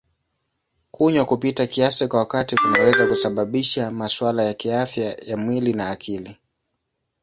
Kunywa kupita kiasi kwa wakati kunaweza kusababisha masuala ya kiafya ya mwili na akili.